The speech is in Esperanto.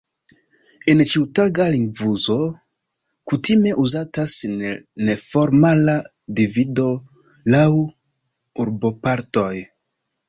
En ĉiutaga lingvouzo kutime uzatas neformala divido laŭ urbopartoj.